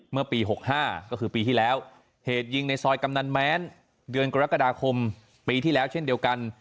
เมื่อปี๖๕ก็คือปีที่แล้วเหตุยิงในซอยกำนันแม้นเดือนกรกฎาคมปีที่แล้วเช่นเดียวกัน